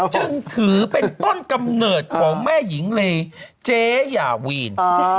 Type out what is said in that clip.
จึงถือเป็นต้นกำเนิดของแม่หญิงเลเจ๊ยาวีน